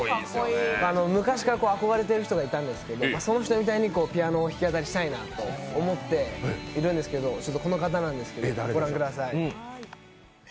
昔から憧れている人がいたんですけれども、その人みたいにピアノを弾き語りしたいなと思っているんですけどちょっとこの方なんですけど、ご覧ください。